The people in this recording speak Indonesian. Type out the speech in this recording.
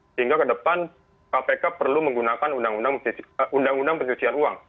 sehingga ke depan kpk perlu menggunakan undang undang pencucian uang